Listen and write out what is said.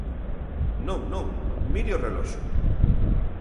Non, non, mire o reloxo.